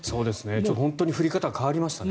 本当に降り方が変わりましたね。